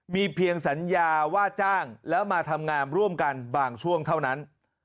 มีเพียงสัญญาว่าจ้างแล้วมาทำงานร่วมกันบางช่วงเท่านั้น